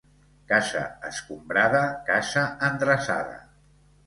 Casa escombrada, casa endreçada.